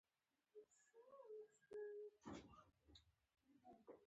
په هوا کې د اکسیجن اندازه د حجم په بنسټ مساوي ده.